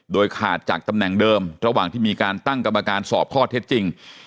โดยขาดจากตำแหน่งเดิมระหว่างที่มีการตั้งกรรมการสอบข้อเท็จจริง